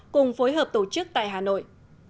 cùng phối hợp tổ chức tại hà nội